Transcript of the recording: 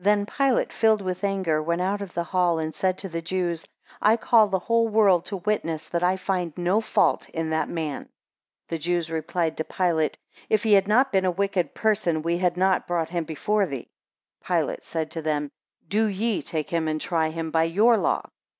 THEN Pilate, filled with anger, went out of the hall, and said to the Jews, I call the whole world to witness that I find no fault in that man. 2 The Jews replied to Pilate, If he had not been a wicked person, we had not brought him before thee. 3 Pilate said to them, Do ye take him and try him by your law.